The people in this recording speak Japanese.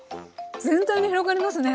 全体に広がりますね。